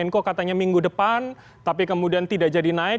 menko katanya minggu depan tapi kemudian tidak jadi naik